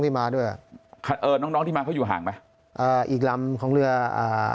นี่มาด้วยเอ่อน้องน้องที่มาเขาอยู่ห่างไหมอ่าอีกลำของเรืออ่า